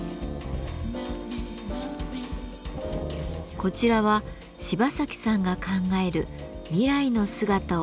こちらは芝崎さんが考える未来の姿を描いたもの。